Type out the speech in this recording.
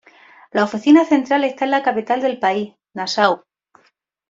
La oficina central está en la capital del país, Nasáu.